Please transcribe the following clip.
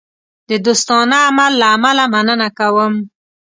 د دوستانه عمل له امله مننه کوم.